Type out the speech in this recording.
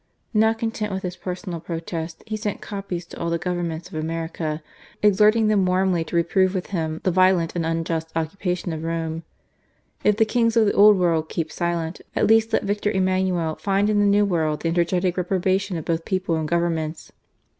Not content with this personal protest, he sent copies to all the Governments of America, exhorting them warmly to reprove with him "the violent and unjust occupation of Rome." "If the Kings of the Old World keep silence, at least let Victor Emmanuel find in the New World the energetic THE STATESMAN BISHOP. 281 reprobation of both people and Governments."